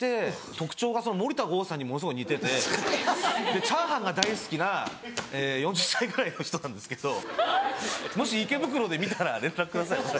特徴が森田剛さんにものすごい似ててチャーハンが大好きな４０歳ぐらいの人なんですけどもし池袋で見たら連絡ください。